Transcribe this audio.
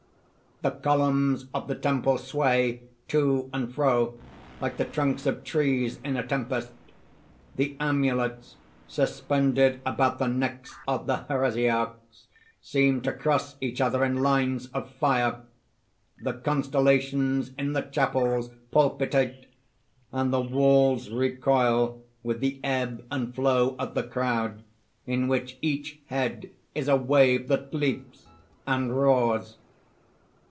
_ _The columns of the temple sway to and fro like the trunks of trees in a tempest; the amulets suspended about the necks of the Heresiarchs seem to cross each other in lines of fire; the constellations in the chapels palpitate; and the walls recoil with the ebb and flow of the crowd, in which each head is a wave that leaps and roars.